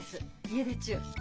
家出中。